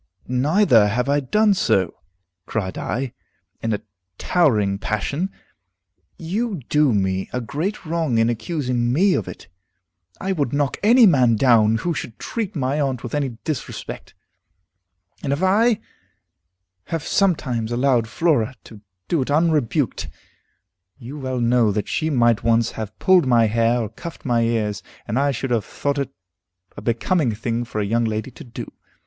"Neither have I done so," cried I, in a towering passion. "You do me a great wrong in accusing me of it. I would knock any man down who should treat my aunt with any disrespect. And if I have sometimes allowed Flora to do it unrebuked, you well know that she might once have pulled my hair, or cuffed my ears, and I should have thought it a becoming thing for a young lady to do.